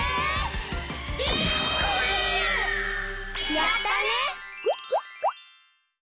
やったね！